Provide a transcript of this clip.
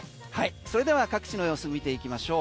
それでは各地の様子見ていきましょう。